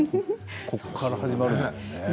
ここから始まる。